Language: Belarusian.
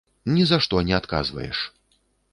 Ні за што не адказваеш.